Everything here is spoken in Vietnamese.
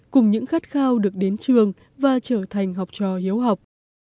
cùng những khát khao được đến trường và trở thành học trò hiếu học